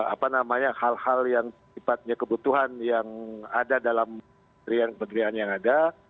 apa namanya hal hal yang tiba tiba kebutuhan yang ada dalam negerian yang ada